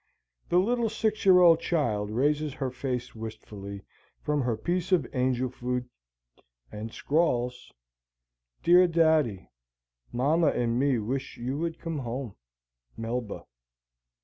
The little six year old child raises her face wistfully from her piece of angel food and scrawls: Dear Daddy: Mama and me wish you would come home. Melba.